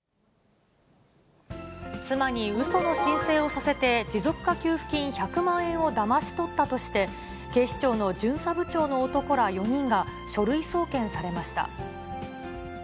妻にうその申請をさせて、持続化給付金１００万円をだまし取ったとして、警視庁の巡査部長の男ら４人が、書類送検されました。